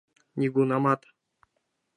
Нигунамат.